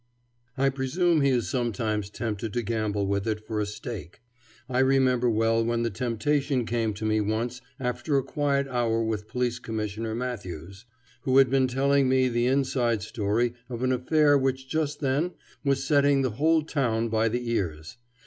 I presume he is sometimes tempted to gamble with it for a stake. I remember well when the temptation came to me once after a quiet hour with Police Commissioner Matthews, who had been telling me the inside history of an affair which just then was setting the whole town by the ears.